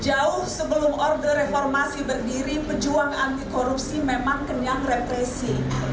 jauh sebelum orde reformasi berdiri pejuang anti korupsi memang kenyang represi